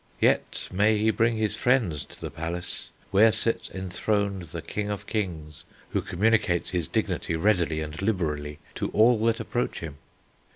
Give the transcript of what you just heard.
Yet may he bring his friends to the palace, where sits enthroned the King of Kings, who communicates his dignity readily and liberally to all that approach him.'